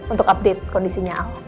untuk update kondisinya al